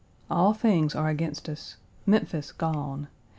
All things are against us. Memphis gone.